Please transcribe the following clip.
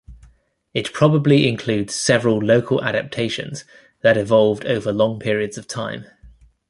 It probably includes several local adaptations that evolved over long periods of time.